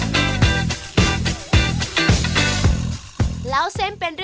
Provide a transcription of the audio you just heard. เป็นสุขภาพอย่างเดียวเลย